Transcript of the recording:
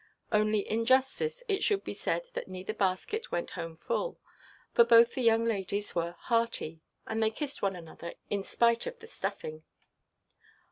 Only in justice it should be said that neither basket went home full; for both the young ladies were "hearty;" and they kissed one another in spite of the stuffing.